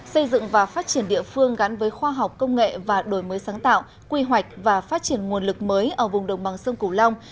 xây dựng và phát triển địa phương gắn với khoa học công nghệ và đổi mới sáng tạo quy hoạch và phát triển nguồn lực mới ở vùng đồng bằng sông cửu long